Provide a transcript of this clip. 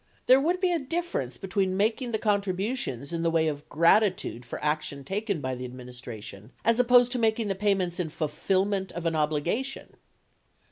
There would be a difference between making the contributions in the way of gratitude for action taken by the administration as opposed to making the payments in ful fillment of an obligation